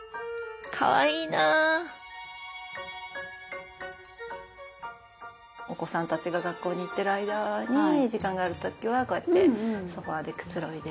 かわいいなお子さんたちが学校に行ってる間に時間がある時はこうやってソファーでくつろいで。